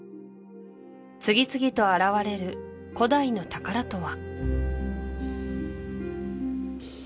次々と現れる古代の宝とは？